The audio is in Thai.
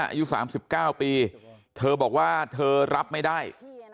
อายุ๓๙ปีเธอบอกว่าเธอรับไม่ได้